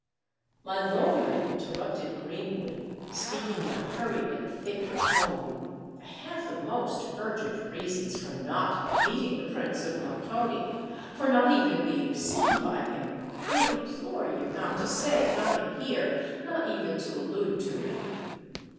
"My lord," interrupted Greenwood, speaking in a hurried and thick tone, "I have the most urgent reasons for not meeting the Prince of Montoni—for not even being seen by him. I implore you not to say that I am here—not even to allude to me."